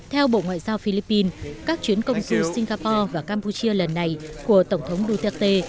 theo bộ ngoại giao philippines các chuyến công du singapore và campuchia lần này của tổng thống duterte